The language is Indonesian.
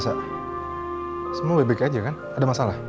semua baik baik aja kan ada masalah